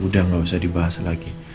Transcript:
udah gak usah dibahas lagi